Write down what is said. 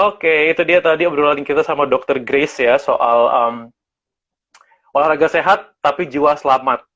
oke itu dia tadi obrolan kita sama dokter grace ya soal olahraga sehat tapi jiwa selamat